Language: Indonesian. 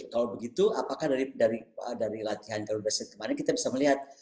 kalau begitu apakah dari latihan garuda set kemarin kita bisa melihat